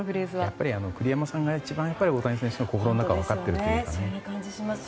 やっぱり栗山さんが一番、大谷選手の心の中を分かってると思います。